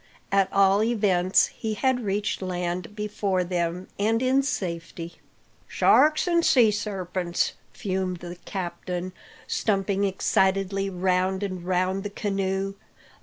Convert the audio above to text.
At all events, he had reached land before them, and in safety. "Sharks an' sea sarpents!" fumed the captain, Stumping excitedly round and round the canoe.